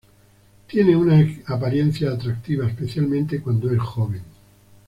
Tiene una apariencia atractiva, especialmente cuando es joven.